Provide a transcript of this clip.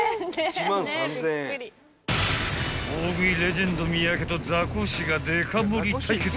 ［大食いレジェンド三宅とザコシがデカ盛り対決］